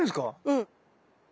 うん。